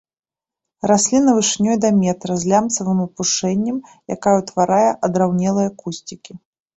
Расліна вышынёй да метра з лямцавым апушэннем, якая ўтварае адраўнелыя кусцікі.